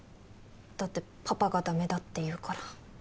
だってパパがだめだって言うから。